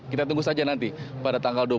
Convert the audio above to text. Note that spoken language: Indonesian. kita tunggu saja nanti pada tanggal dua puluh